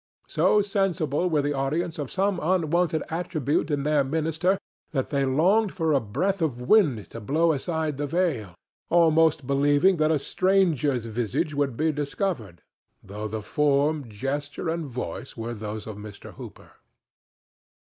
So sensible were the audience of some unwonted attribute in their minister that they longed for a breath of wind to blow aside the veil, almost believing that a stranger's visage would be discovered, though the form, gesture and voice were those of Mr. Hooper.